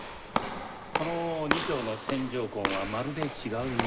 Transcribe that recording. この２丁の線条痕はまるで違うものでした。